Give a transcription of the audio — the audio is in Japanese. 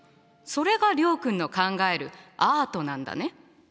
それが諒君の考えるアートなんだね。